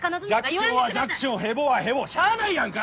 弱小は弱小ヘボはヘボしゃあないやんか！